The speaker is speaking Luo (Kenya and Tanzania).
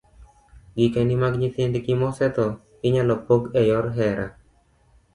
Gikeni mag nyithindgi mosetho inyalo pog e yor hera